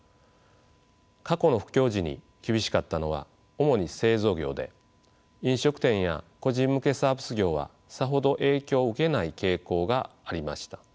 過去の不況時に厳しかったのは主に製造業で飲食店や個人向けサービス業はさほど影響を受けない傾向がありました。